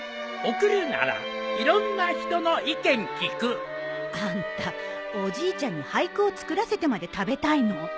「送るならいろんな人の意見聞く」あんたおじいちゃんに俳句を作らせてまで食べたいの？